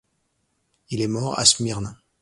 Il est mort à Smyrne.